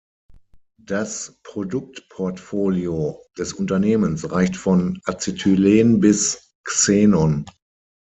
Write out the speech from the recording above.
Das Produktportfolio des Unternehmens reicht von Acetylen bis Xenon.